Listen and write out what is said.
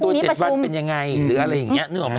หรือกักตัวเจ็บบ้านเป็นยังไงหรืออะไรอย่างนี้นึกออกไหมฮะ